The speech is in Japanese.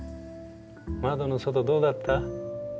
窓の外どうだった？